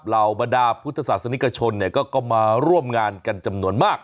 เหล่าบรรดาพุทธศาสนิกชนก็มาร่วมงานกันจำนวนมาก